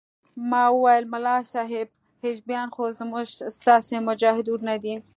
ما وويل ملا صاحب حزبيان خو زموږ ستاسې مجاهد ورونه دي.